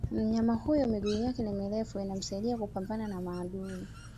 Mnyama huyo miguu yake ni mirefu inamsaidia kupambana na maadui